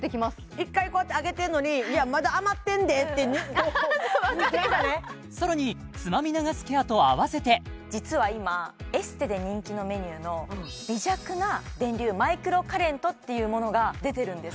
一回こうやって上げてんのにいやまだ余ってんでってなんかね更につまみ流すケアと合わせて実は今エステで人気のメニューの微弱な電流マイクロカレントっていうものが出てるんです